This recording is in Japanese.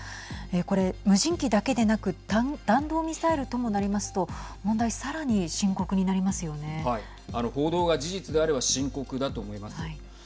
これ無人機だけでなく弾道ミサイルともなりますと報道が事実であれば深刻だと思います。